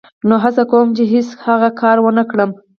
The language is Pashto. نو هڅه کوم چې هېڅ هغه کار و نه کړم.